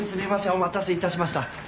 お待たせいたしました。